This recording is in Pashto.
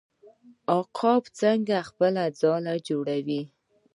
عقاب څنګه خپله ځاله جوړوي؟